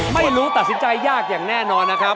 ไม่รู้ตัดสินใจยากอย่างแน่นอนนะครับ